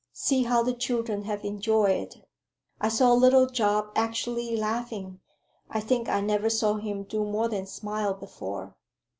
See how the children have enjoyed it! I saw little Job actually laughing. I think I never saw him do more than smile before."